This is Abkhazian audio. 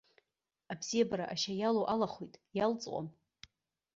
Абзиабара ашьа иалоу алахоит, иалҵуам.